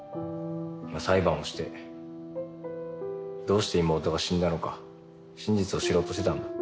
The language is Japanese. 裁判をしてどうして妹が死んだのか真実を知ろうとしてたんだ。